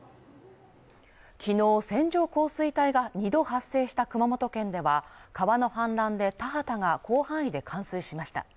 昨日線状降水帯が２度発生した熊本県では川の氾濫で田畑が広範囲で冠水しました。